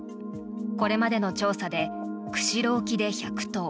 これまでの調査で釧路沖で１００頭